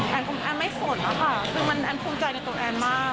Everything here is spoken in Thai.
แอ้นไม่สดนะคะคือแอ้นคุ้มใจในตัวแอ้นมาก